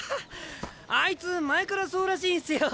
あいつ前からそうらしいんすよ。